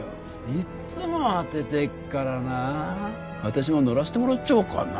いっつも当ててっからな私も乗らせてもらっちゃおうかな